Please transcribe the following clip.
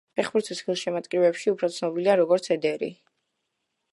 ფეხბურთის გულშემატკივრებში უფრო ცნობილია როგორც ედერი.